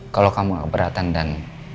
kalau kamu keberatan dan